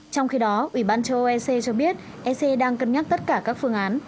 trong khi đó ủy ban châu âu ec cho biết ec đang cân nhắc tất cả các phương án